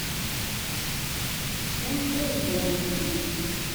Don't say those things!